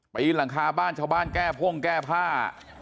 ปีนหลังคาบ้านชาวบ้านแก้พ่งแก้ผ้า